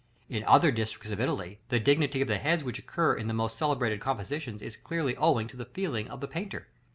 In other districts of Italy, the dignity of the heads which occur in the most celebrated compositions is clearly owing to the feeling of the painter.